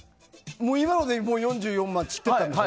今ので４４万散っていったんでしょ？